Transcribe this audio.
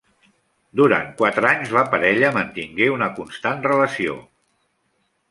Durant quatre anys, la parella mantingué una constant relació.